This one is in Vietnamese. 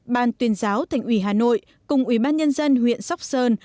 ban tuyên giáo thành ủy hà nội cùng ủy ban nhân dân huyện sóc sơn